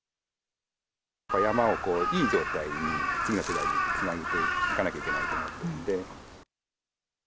山をいい状態に、次の世代につなげていかなきゃいけないと思っているので。